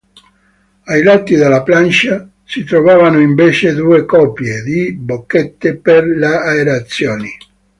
Ai lati della plancia si trovavano invece due coppie di bocchette per l'aerazione.